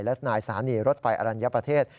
และนายสถานีรถไฟอรัญญประเทศ